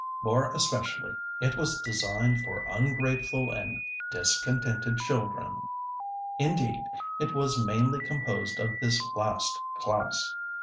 More especially was it designed for ungrateful and discontented children; indeed it was mainly composed of this last class.